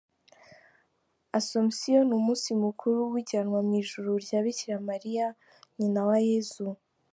Asomusiyo ni umunsi mukuru w’ijyanwa mu ijuru rya Bikira Mariya nyina wa Yezu.